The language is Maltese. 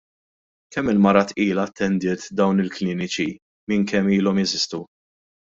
Kemm-il mara tqila attendiet dawn il-kliniċi minn kemm ilhom jeżistu?